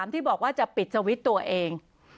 ที่บอกว่าจะปิดสวิตช์ตัวเอง